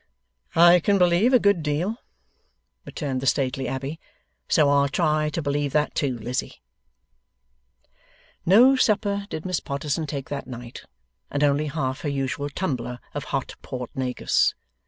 'I can believe a good deal,' returned the stately Abbey, 'so I'll try to believe that too, Lizzie.' No supper did Miss Potterson take that night, and only half her usual tumbler of hot Port Negus.